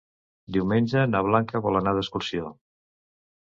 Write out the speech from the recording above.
Diumenge na Blanca vol anar d'excursió.